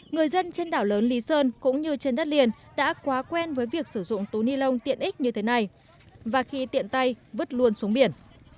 người dân trên đảo lớn lý sơn cũng như trên đất liền đã quá quen với việc sử dụng túi ni lông tiện ích như thế này và khi tiện tay vứt luôn xuống biển